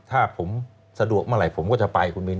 ถ้าผมสะดวกเมื่อไหร่ผมก็จะไปคุณมิน